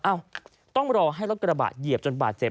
ต้องรอให้รถกระบะเหยียบจนบาดเจ็บ